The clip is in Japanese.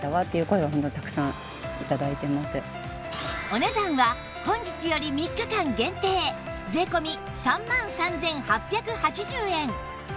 お値段は本日より３日間限定税込３万３８８０円